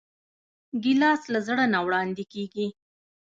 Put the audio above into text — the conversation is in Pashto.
ګیلاس له زړه نه وړاندې کېږي.